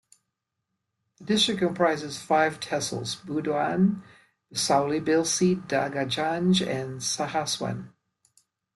The district comprises five tehsils: Budaun, Bisauli, Bilsi, Dataganj and Sahaswan.